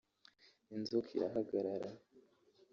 ” Inzoka irahagarara